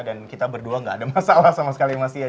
dan kita berdua gak ada masalah sama sekali sama sia